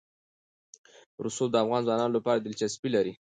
رسوب د افغان ځوانانو لپاره دلچسپي لري.